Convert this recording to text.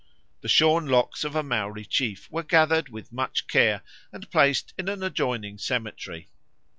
The shorn locks of a Maori chief were gathered with much care and placed in an adjoining cemetery.